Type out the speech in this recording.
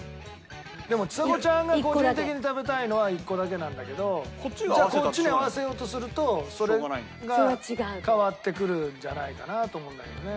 でもちさ子ちゃんが個人的に食べたいのは１個だけなんだけどこっちに合わせようとするとそれが変わってくるんじゃないかなと思うんだけどね。